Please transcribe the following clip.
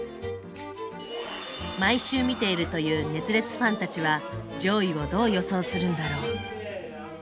毎週見ているという熱烈ファンたちは上位をどう予想するんだろう？